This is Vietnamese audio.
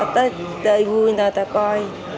tới đây vui người ta coi